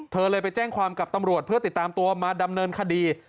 เธอเลยไปแจ้งความกับตำรวจเพื่อติดตามตัวมาดำเนินคดี